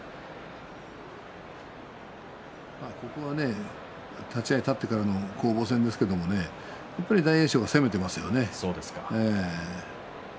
この場面は立ち合い立ってからの攻防戦ですけれども大栄翔が攻めていますね。